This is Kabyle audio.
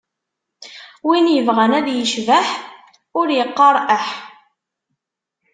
Win ibɣan ad icbeḥ, ur iqqaṛ eḥ!